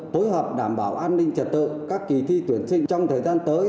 phối hợp đảm bảo an ninh trật tự các kỳ thi tuyển sinh trong thời gian tới